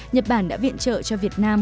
nhật bản đã viện trợ cho việt nam